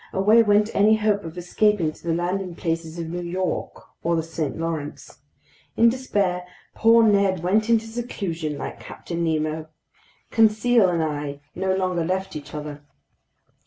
Away went any hope of escaping to the landing places of New York or the St. Lawrence. In despair, poor Ned went into seclusion like Captain Nemo. Conseil and I no longer left each other.